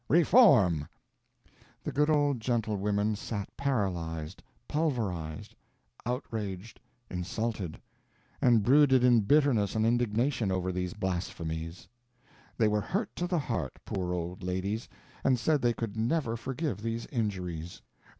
Reform!" The good old gentlewomen sat paralyzed, pulverized, outraged, insulted, and brooded in bitterness and indignation over these blasphemies. They were hurt to the heart, poor old ladies, and said they could never forgive these injuries.